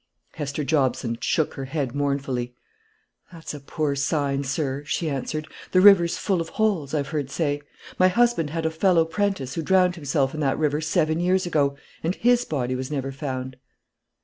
Hester Jobson shook her head mournfully. "That's a poor sign, sir," she answered; "the river's full of holes, I've heard say. My husband had a fellow 'prentice who drowned himself in that river seven year ago, and his body was never found."